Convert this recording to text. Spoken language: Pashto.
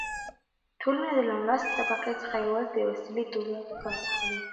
ټولنه له نالوستې طبقې څخه يوازې د وسيلې په توګه کار اخلي.